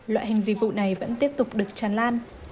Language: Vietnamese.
loại hình dịch vụ này vẫn tiếp tục được tràn lan